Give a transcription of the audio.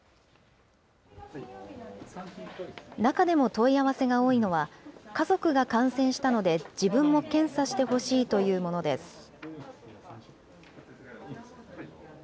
中でも問い合わせが多いのは、家族が感染したので、自分も検査してほしいというものです。